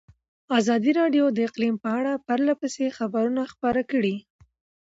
ازادي راډیو د اقلیم په اړه پرله پسې خبرونه خپاره کړي.